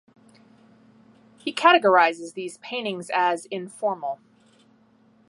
He categorises these paintings as 'informal'.